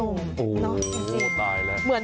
โอ้โหตายแล้ว